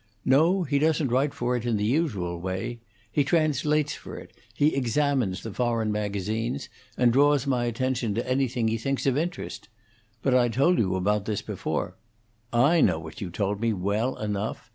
"No, he doesn't write for it in the usual way. He translates for it; he examines the foreign magazines, and draws my attention to anything he thinks of interest. But I told you about this before " "I know what you told me, well enough.